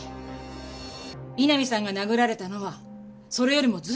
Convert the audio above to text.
井波さんが殴られたのはそれよりもずーっと前。